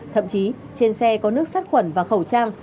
thậm chí trên xe có nước sát khuẩn và khẩu trang